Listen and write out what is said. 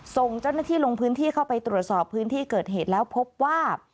ส่งเจ้าหน้าที่ลงพื้นที่เข้าไปตรวจสอบพื้นที่เกิดเหตุแล้วพบว่า